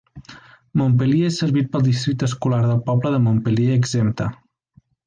Montpelier és servit pel districte escolar del poble de Montpelier exempta.